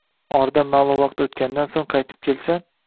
oradan ma’lum vaqt o‘tgandan so‘ng qaytib kelsa